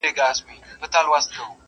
زمکه پراخه ده.